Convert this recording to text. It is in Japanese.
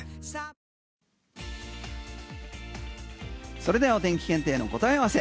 それではお天気検定の答え合わせ。